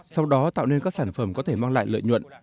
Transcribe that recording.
sau đó tạo nên các sản phẩm có thể mang lại lợi nhuận